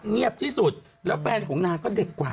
เงียบที่สุดแล้วแฟนของนางก็เด็กกว่า